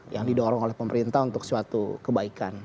yang didorong oleh pemerintah untuk suatu kebaikan